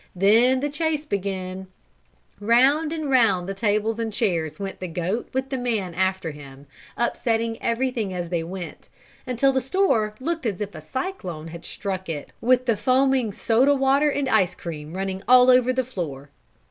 Then the chase began; round and round the tables and chairs went the goat with the man after him, upsetting everything as they went, until the store looked as if a cyclone had struck it, with the foaming soda water and ice cream running all over the floor.